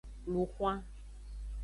Lun xwan.